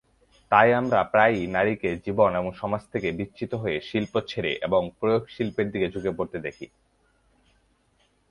তাই আমরা প্রায়ই নারীকে জীবন এবং সমাজ থেকে বিচ্যুত হয়ে শিল্প ছেড়ে এবং প্রয়োগ শিল্পের দিকে ঝুঁকে পড়তে দেখি।